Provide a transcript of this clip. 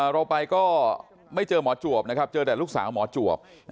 เราไปก็ไม่เจอหมอจวบนะครับเจอแต่ลูกสาวหมอจวบ